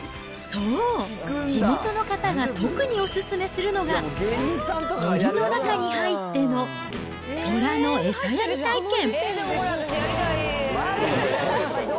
そう、地元の方が特にお勧めするのが、おりの中に入っての虎の餌やり体験。